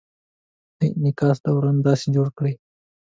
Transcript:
د انعکاس دوران داسې جوړ کړئ: